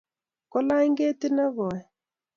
kolany ketit nekoi